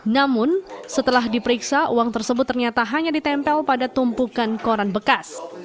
namun setelah diperiksa uang tersebut ternyata hanya ditempel pada tumpukan koran bekas